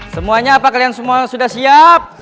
semuanya apa kalian semua sudah siap